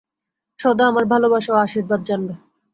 সদা আমার ভালবাসা ও আশীর্বাদ জানবে।